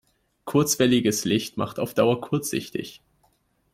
Kurzwelliges Licht macht auf Dauer kurzsichtig.